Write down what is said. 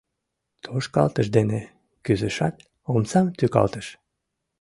Тошкалтыш дене кӱзышат, омсам тӱкалтыш.